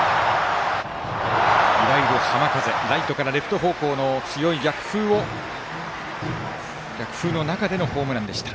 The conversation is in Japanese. いわゆる浜風ライトからレフト方向の強い逆風の中でのホームランでした。